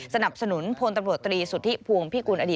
สนับสนุนพลตำรวจตรีสุทธิพวงพิกุลอดีต